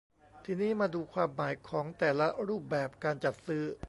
ทีนี้มาดูความหมายของแต่ละรูปแบบการจัดซื้อ